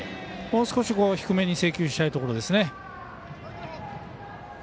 もう少し低めに制球したいところですね。